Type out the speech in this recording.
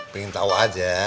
pengen tau aja